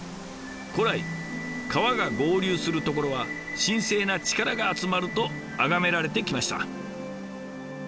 古来川が合流するところは神聖な力が集まると崇められてきました。